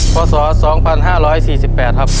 พศ๒๕๔๘ครับ